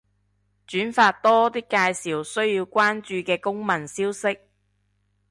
轉發多啲介紹需要關注嘅公民消息